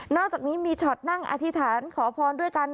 อกจากนี้มีช็อตนั่งอธิษฐานขอพรด้วยกัน